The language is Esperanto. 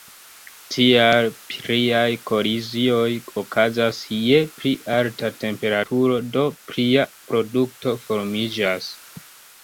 Tial pliaj kolizioj okazas je pli alta temperaturo, do plia produkto formiĝas.